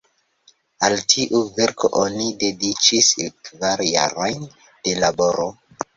Al tiu verko oni dediĉis kvar jarojn de laboro.